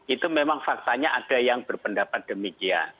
itu memang faktanya ada yang berpendapat demikian